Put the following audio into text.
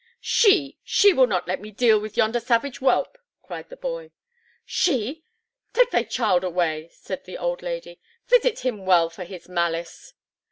"She; she will not let me deal with yonder savage whelp," cried the boy. "She! Take thy way, child," said the old lady. "Visit him well for his malice.